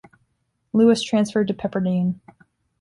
Lewis transferred to Pepperdine.